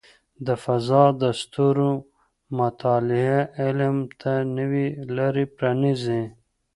د فضاء د ستورو مطالعه علم ته نوې لارې پرانیزي.